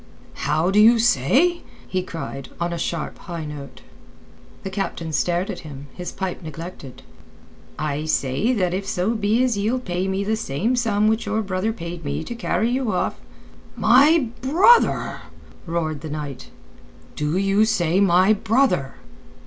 "How do you say?" he cried, on a sharp, high note. The captain stared at him, his pipe neglected. "I say that if so be as ye'll pay me the same sum which your brother paid me to carry you off...." "My brother?" roared the knight. "Do you say my brother?"